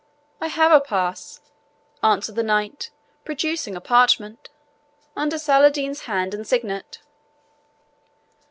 "I have a pass," answered the Knight, producing a parchment, "Under Saladin's hand and signet."